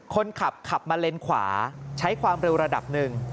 คนขับขับมาเลนขวาใช้ความเร็วระดับหนึ่ง